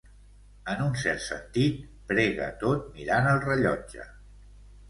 En un cert sentit, prega tot mirant el rellotge.